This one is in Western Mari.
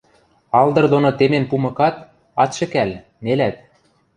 Алдыр доно темен пумыкат, ат шӹкӓл, нелӓт.